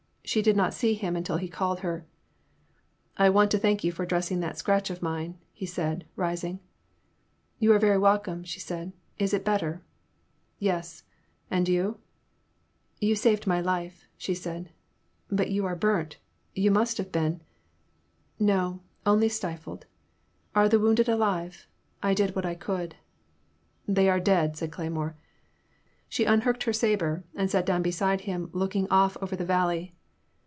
She did not see him until he called her. I want to thank you for dressing that scratch of mine,'* he said, rising. '* You are very welcome,*' she said, is it better?*' Yes — and you ?"You saved my life," she said. But are you burnt — ^you must have been "No — only stifled. Are the wounded alive ? I did what I could." They are dead," said Cleymore. She un hooked her sabre, and sat down beside him look ing off over the valley.